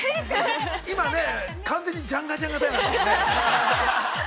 ◆今ね、完全にジャンガジャンガタイムだったね。